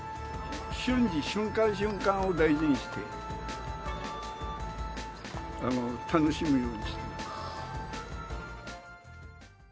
瞬時、瞬間瞬間を大事にして、楽しむようにしてます。